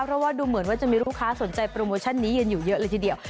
เพราะว่าดูเหมือนว่าจะมีลูกค้าสนใจโปรโมชั่นนี้กันอยู่เยอะเลยทีเดียว